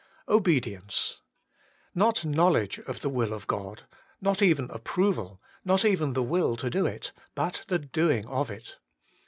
Obedience. Not knowledge of the will of God, not even approval, not even the will to do it, but the doing of it.